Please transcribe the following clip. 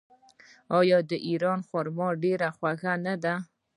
آیا د ایران خرما ډیره خوږه نه ده؟